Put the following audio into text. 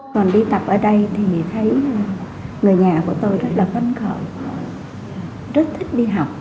còn đi tập ở đây thì thấy người nhà của tôi rất là phấn khởi rất thích đi học